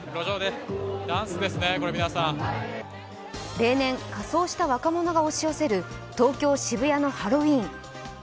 例年、仮装した若者が押し寄せる東京・渋谷のハロウィーン。